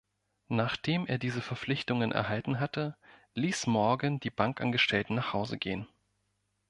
Nachdem er diese Verpflichtungen erhalten hatte, ließ Morgan die Bankangestellten nach Hause gehen.